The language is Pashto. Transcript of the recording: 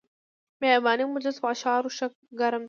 بیاباني مجلس په اشعارو ښه ګرم کړ.